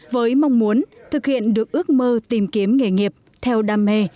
với mong muốn thực hiện được ước mơ tìm kiếm nghề nghiệp theo đam mê